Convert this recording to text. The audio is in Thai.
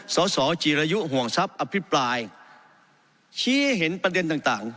สสจีรยุห่วงทรัพย์อภิปรายชี้เห็นประเด็นต่าง